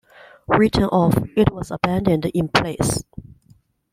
Written off, it was abandoned in place.